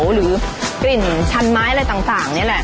หรือกลิ่นชันไม้อะไรต่าง